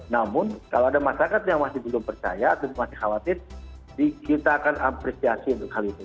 namun kalau ada masyarakat yang masih belum percaya atau masih khawatir kita akan apresiasi untuk hal itu